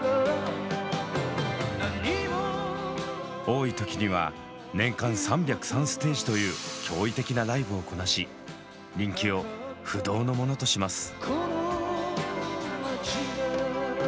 多い時には年間３０３ステージという驚異的なライブをこなし人気を不動のものとします。